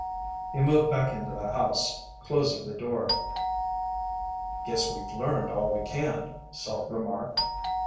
He moved back into the house, closing the door. "Guess we've learned all we can," Salt remarked.